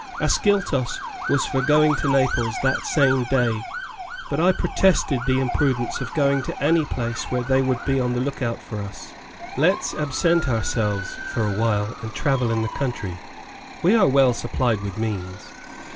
(Ascyltos was for going to Naples that same day, but I protested the imprudence of going to any place where they would be on the lookout for us. "Let's absent ourselves, for a while, and travel in the country. We are well supplied with means."